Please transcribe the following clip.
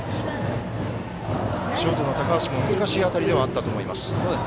ショートの高橋も難しい当たりではあったと思います。